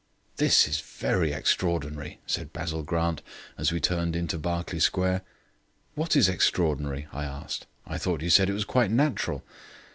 "This is very extraordinary!" said Basil Grant, as we turned into Berkeley Square. "What is extraordinary?" I asked. "I thought you said it was quite natural."